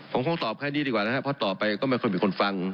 ผมคงตอบแค่นี้ดีกว่านะครับเพราะต่อไปก็ไม่ค่อยมีคนฟัง